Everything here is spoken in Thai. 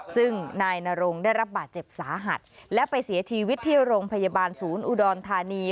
ซึ่งนายนรงได้รับบาดเจ็บสาหัสและไปเสียชีวิตที่โรงพยาบาลศูนย์อุดรธานี